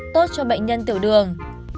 tốt cho bệnh nhân tiểu đường